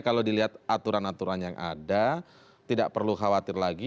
kalau dilihat aturan aturan yang ada tidak perlu khawatir lagi